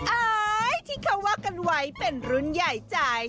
อายที่เขาว่ากันไว้เป็นรุ่นใหญ่ใจ